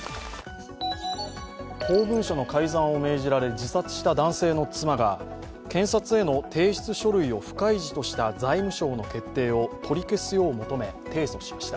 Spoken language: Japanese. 公文書の改ざんを命じられ自殺した男性の妻が検察への提出書類を不開示とした財務省の決定を取り消すよう求め提訴しました。